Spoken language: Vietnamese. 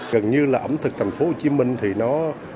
gần như là ẩm thực thành phố hồ chí minh thì nó